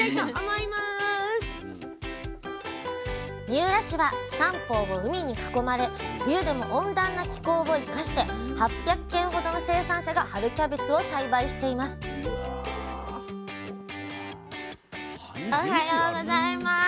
三浦市は三方を海に囲まれ冬でも温暖な気候を生かして８００軒ほどの生産者が春キャベツを栽培していますおはようございます。